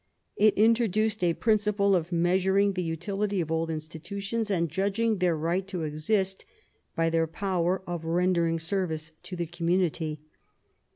It introduced a principle of measuring the utility of old institutions and judging their right to exist by their power of rendering service to the community.